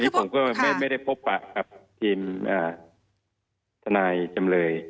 ผมก็ไม่ได้พบปะกับทีมทนายจำเลย